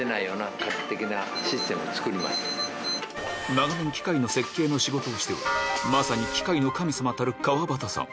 長年機械の設計の仕事をしておりまさに機械の神様たる川端さん